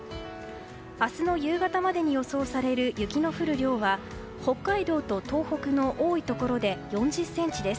明日の夕方までに予想される雪の降る量は北海道と東北の多いところで４０ｃｍです。